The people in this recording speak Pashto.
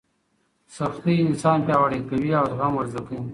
سختۍ انسان پیاوړی کوي او زغم ور زده کوي.